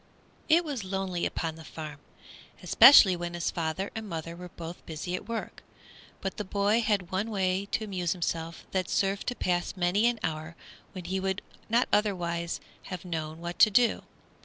It was lonely upon the farm, especially when his father and mother were both busy at work, but the boy had one way to amuse himself that served to pass many an hour when he would not otherwise have known what to do.